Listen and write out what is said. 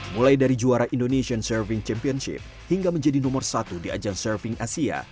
mulai dari juara indonesian surfing championship hingga menjadi nomor satu di ajang surfing asia